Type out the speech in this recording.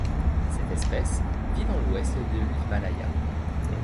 Cette espèce vit dans l'Ouest de l'Himalaya.